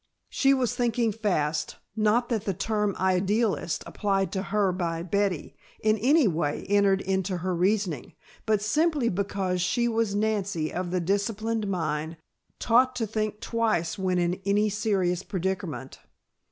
She was thinking fast. Not that the term idealist (applied to her by Betty) in any way entered into her reasoning, but simply because she was Nancy of the disciplined mind, taught to think twice when in any serious predicament.